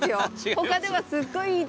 他ではすっごいいい天気で。